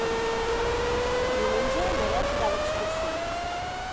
Diumenge na Beth irà d'excursió.